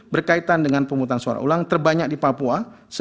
berkaitan dengan pemutusan suara ulang terbanyak di papua